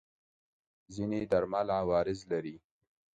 ځینې درمل عوارض لري.